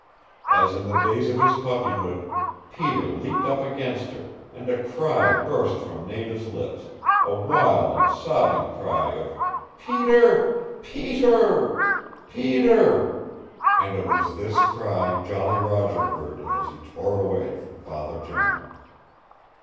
As in the days of his puppyhood, Peter leapt up against her, and a cry burst from Nada's lips, a wild and sobbing cry of PETER, PETER, PETER and it was this cry Jolly Roger heard as he tore away from Father John.